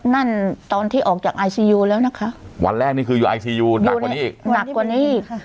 นั่นตอนที่ออกจากไอซียูแล้วนะคะวันแรกนี่คืออยู่ไอซียูหนักกว่านี้อีก